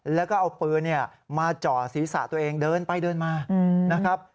แล้วก็เอาปืนมาเจาะศีรษะตัวเองเดินไปเดินมา